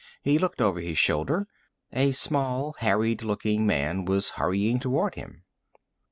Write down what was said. He looked over his shoulder; a small harried looking man was hurrying toward him.